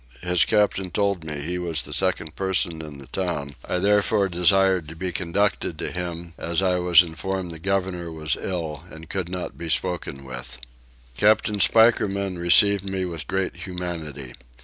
His captain he told me was the second person in the town; I therefore desired to be conducted to him as I was informed the governor was ill and could not then be spoken with. Captain Spikerman received me with great humanity.